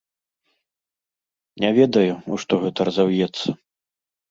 Не ведаю, у што гэта разаўецца.